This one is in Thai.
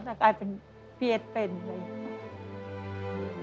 แต่กลายเป็นพี่เอสเป็นเลย